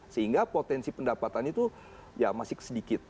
sehingga potensi pendapatan itu ya masih sedikit